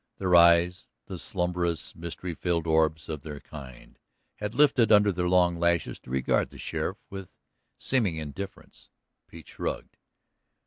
Their eyes, the slumbrous, mystery filled orbs of their kind, had lifted under their long lashes to regard the sheriff with seeming indifference. Pete shrugged.